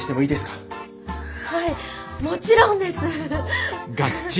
はいもちろんです！